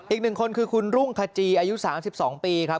อีกหนึ่งคนคือคุณรุ่งขจีอายุ๓๒ปีครับ